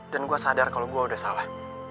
dan gue sadar kalau gue udah salah